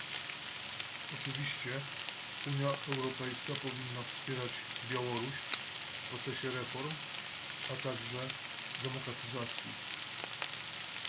Oczywiście, Unia Europejska powinna wspierać Białoruś w procesie reform a także demokratyzacji